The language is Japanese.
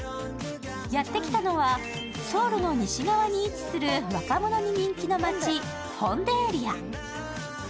やって来たのは、ソウルの西側に位置する若者に人気の街・ホンデエリア。